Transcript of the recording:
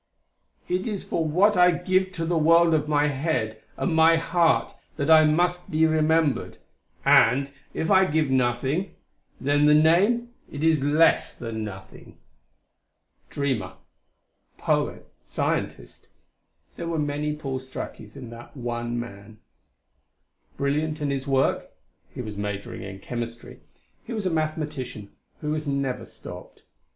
"It is for what I give to the world of my head and my heart that I must be remembered. And, if I give nothing then the name, it is less than nothing." Dreamer poet scientist there were many Paul Strakis in that one man. Brilliant in his work he was majoring in chemistry he was a mathematician who was never stopped.